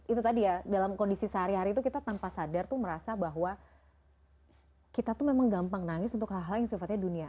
itu tadi ya dalam kondisi sehari hari itu kita tanpa sadar tuh merasa bahwa kita tuh memang gampang nangis untuk hal hal yang sifatnya dunia